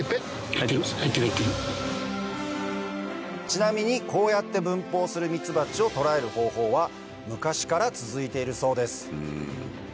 ちなみにこうやって分蜂するミツバチを捕らえる方法は昔から続いているそうです